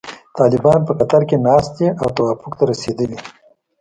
طالبان په قطر کې ناست دي او توافق ته رسیدلي.